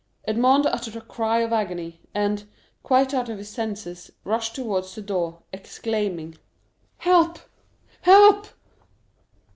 Edmond uttered a cry of agony, and, quite out of his senses, rushed towards the door, exclaiming, "Help, help!"